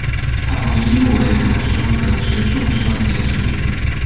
他从伊露维塔之中得知众生的结局。